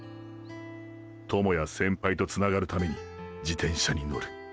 友や先輩とつながるために自転車にのる。